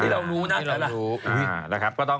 ที่รารู้ที่จะรู้นะเยอะนะที่เรารู้